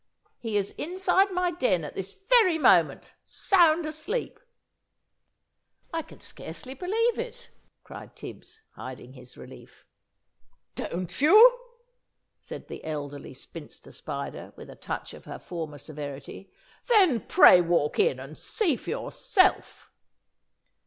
He is inside my den at this very moment, sound asleep." "I can scarcely believe it!" cried Tibbs, hiding his relief. "Don't you?" said the Elderly Spinster Spider, with a touch of her former severity; "then, pray walk in, and see for yourself."